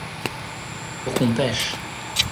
Pour qu’on pêche.